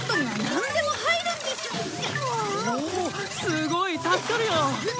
すごい助かるよ！